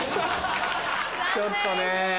ちょっとねぇ。